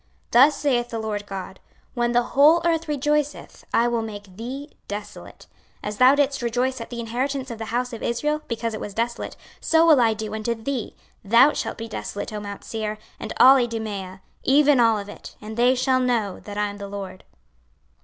26:035:014 Thus saith the Lord GOD; When the whole earth rejoiceth, I will make thee desolate. 26:035:015 As thou didst rejoice at the inheritance of the house of Israel, because it was desolate, so will I do unto thee: thou shalt be desolate, O mount Seir, and all Idumea, even all of it: and they shall know that I am the LORD.